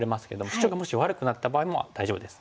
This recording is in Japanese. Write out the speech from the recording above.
シチョウがもし悪くなった場合も大丈夫です。